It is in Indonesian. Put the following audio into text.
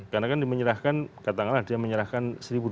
karena kan di menyerahkan katakanlah dia menyerahkan seribu dua ratus